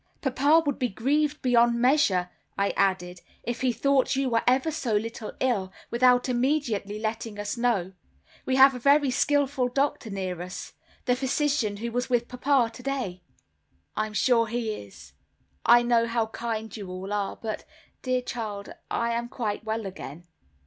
"Papa would be grieved beyond measure," I added, "if he thought you were ever so little ill, without immediately letting us know. We have a very skilful doctor near us, the physician who was with papa today." "I'm sure he is. I know how kind you all are; but, dear child, I am quite well again.